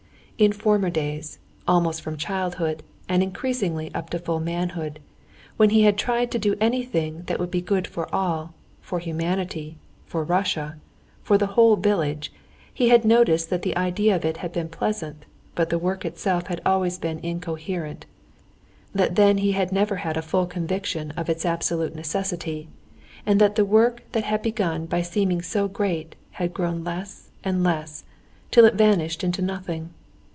In former days—almost from childhood, and increasingly up to full manhood—when he had tried to do anything that would be good for all, for humanity, for Russia, for the whole village, he had noticed that the idea of it had been pleasant, but the work itself had always been incoherent, that then he had never had a full conviction of its absolute necessity, and that the work that had begun by seeming so great, had grown less and less, till it vanished into nothing.